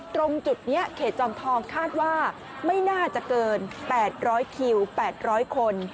ตรงจุดนี้เขตจอมทองคาดว่าไม่น่าจะเกิน๘๐๐คิว๘๐๐คน